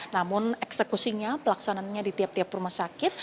namun eksekusinya pelaksanaannya di tiap tiap rumah sakit